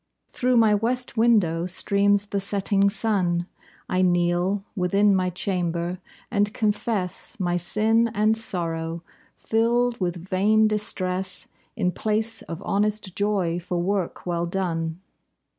Through my west window streams the setting sun. I kneel within my chamber, and confess My sin and sorrow, filled with vain distress, In place of honest joy for work well done.